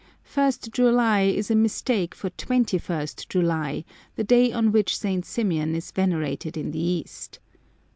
ist July is a mistake for 21st July, the day on which St. Symeon is venerated in the East.